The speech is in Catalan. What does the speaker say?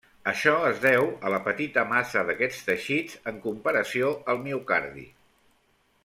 Això es deu a la petita massa d'aquests teixits en comparació al miocardi.